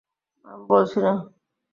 আমি বলছি না!